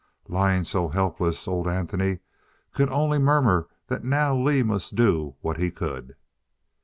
Lying so helpless, old Anthony could only murmur that now Lee must do what he could.